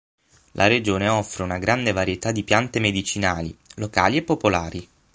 La regione offre una grande varietà di piante medicinali locali e popolari.